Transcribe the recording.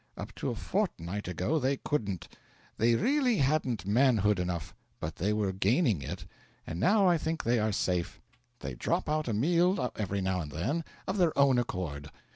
Up to a fortnight ago they couldn't; they really hadn't manhood enough; but they were gaining it, and now I think they are safe. They drop out a meal every now and then of their own accord.